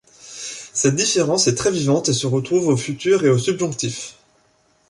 Cette différence est très vivante et se retrouve au futur et au subjonctif.